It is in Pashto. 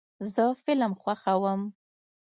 زه فلم خوښوم.